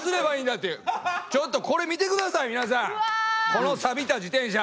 このサビた自転車。